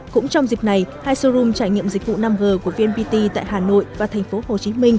cũng trong dịp này hai showroom trải nghiệm dịch vụ năm g của vnpt tại hà nội và tp hcm